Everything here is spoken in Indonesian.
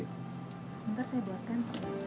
sebentar saya buatkan